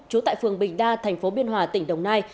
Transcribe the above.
trú tại phường bình đa thành phố biên hòa tỉnh đồng nai